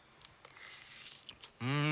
うん！